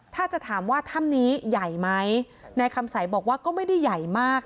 ถ้าจะถามว่าถ้ำนี้ใหญ่ไหมนายคำสัยบอกว่าก็ไม่ได้ใหญ่มาก